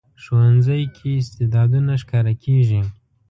ښوونځی کې استعدادونه ښکاره کېږي